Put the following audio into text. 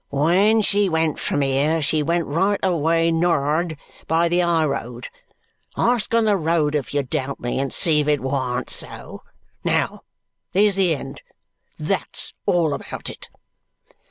"When she went from here, she went right away nor'ard by the high road. Ask on the road if you doubt me, and see if it warn't so. Now, there's the end. That's all about it."